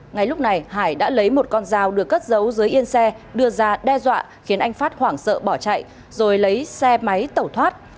ngay lúc này hải đã lấy một con dao được cất giấu dưới yên xe đưa ra đe dọa khiến anh phát hoảng sợ bỏ chạy rồi lấy xe máy tẩu thoát